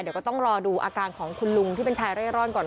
เดี๋ยวก็ต้องรอดูอาการของคุณลุงที่เป็นชายเร่ร่อนก่อน